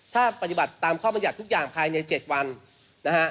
ถ้าปฏิบัติตามข้อบรรยัติทุกอย่างภายใน๗วันนะฮะ